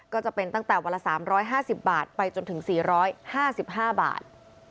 ก็จะเป็นตั้งแต่วันละ๓๕๐บาทไปจนถึง๔๕๕บาท